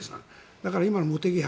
だから今の茂木派